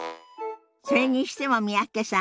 それにしても三宅さん